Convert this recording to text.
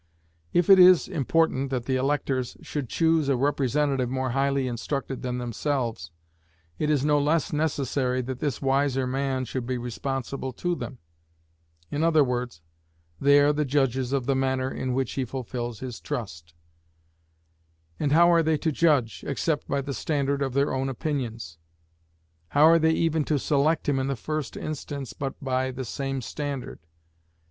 If it is important that the electors should choose a representative more highly instructed than themselves, it is no less necessary that this wiser man should be responsible to them; in other words, they are the judges of the manner in which he fulfils his trust; and how are they to judge, except by the standard of their own opinions? How are they even to select him in the first instance but by the same standard?